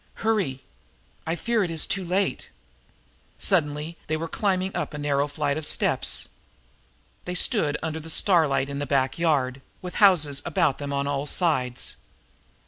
Hurry! I fear it is too late!" Suddenly they were climbing up a narrow flight of steps. They stood under the starlight in a back yard, with houses about them on all sides.